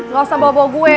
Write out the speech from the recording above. gak usah bawa bawa gue